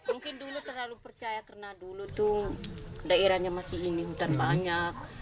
mungkin dulu terlalu percaya karena dulu itu daerahnya masih ini hutan banyak